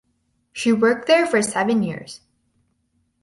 She worked there for seven years.